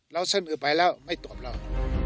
เราเส้นอื่นไปแล้วไม่ตรวจเรา